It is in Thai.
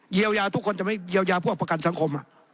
ยาทุกคนจะไม่เยียวยาพวกประกันสังคม